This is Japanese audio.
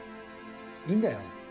いいんだよ